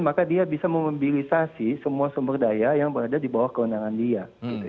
maka dia bisa memobilisasi semua sumber daya yang berada di bawah kewenangan dia